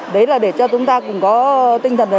đấy là để cho chúng ta cũng có tinh thần